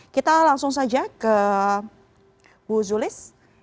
kita langsung saja ke bu zulis